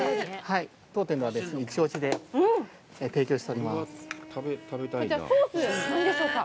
当店ではイチオシで提供しております。